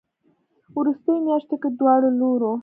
ه وروستيو مياشتو کې دواړو لورو